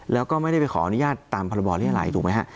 แล้วก็ไม่ได้ไปขออนุญาตตามพรบเรียรัยถูกไหมฮะ